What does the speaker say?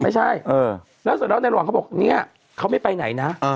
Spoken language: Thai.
ไม่ใช่แล้วเสร็จแล้วในหล่อนเขาบอกเนี่ยเขาไม่ไปไหนนะ